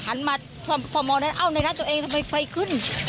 หันมาทำผ่อนมองได้เอาในน้องตัวเองทำไมไฟขึ้น